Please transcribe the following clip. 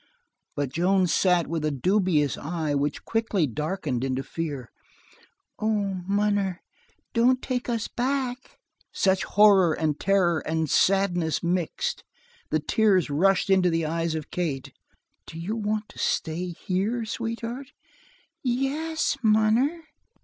But Joan sat with a dubious eye which quickly darkened into fear. "Oh, Munner, don't take us back!" Such horror and terror and sadness mixed! The tears rushed into the eyes of Kate. "Do you want to stay here, sweetheart?" "Yes, munner."